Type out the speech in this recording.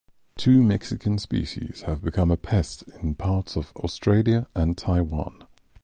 Two Mexican species have become a pest in parts of Australia and Taiwan.